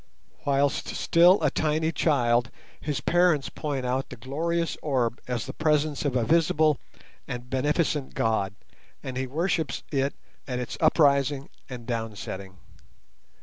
Whilst still a tiny child, his parents point out the glorious orb as the presence of a visible and beneficent god, and he worships it at its up rising and down setting.